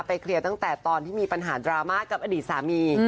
เคลียร์ตั้งแต่ตอนที่มีปัญหาดราม่ากับอดีตสามี